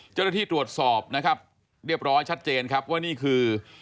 เจ้าหน้าที่ตรวจสอบนะครับเรียบร้อยชัดเจนครับว่านี่คือ